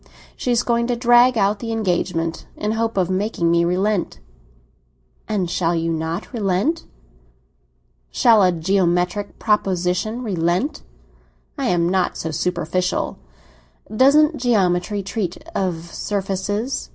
She is going to drag out the engagement, in the hope of making me relent." "And shall you not relent?" "Shall a geometrical proposition relent? I am not so superficial." "Doesn't geometry treat of surfaces?"